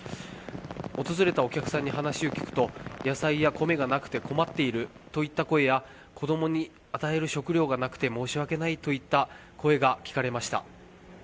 訪れたお客さんに話を聞くと野菜や米がなくて困っているといった声や子供に与える食料がなくて申し訳ないといった声が聞かれました。